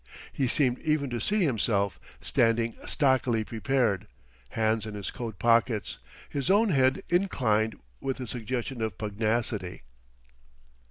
He seemed even to see himself, standing stockily prepared, hands in his coat pockets, his own head inclined with a suggestion of pugnacity.